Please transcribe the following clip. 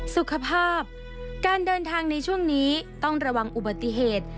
สุขภาพการเดินทางในช่วงนี้ต้องระวังอุบัติเหตุ